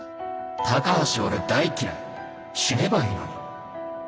「橋俺大嫌い。死ねばいいのに」。